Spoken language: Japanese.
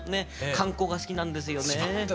観光が好きなんですよね。